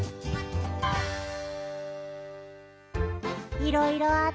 いろいろあったね。